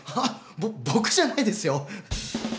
ぼぼくじゃないですよ。